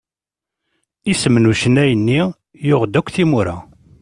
Isem n ucennay-nni yuɣ-d akk timura.